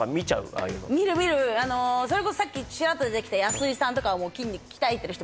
ああいうのあのそれこそさっきチラッと出てきた安井さんとかはもう筋肉鍛えてる人